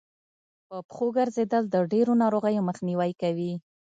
په پښو ګرځېدل د ډېرو ناروغيو مخنیوی کوي